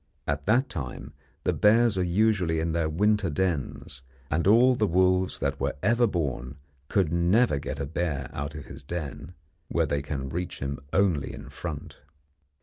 At that time the bears are usually in their winter dens, and all the wolves that were ever born could never get a bear out of his den, where they can reach him only in front.